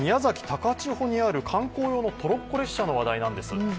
高千穂にある観光用のトロッコ列車の話題なんです。